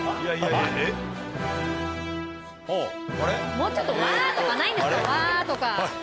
もうちょっとわぁ！とかないんですかわぁ！とか。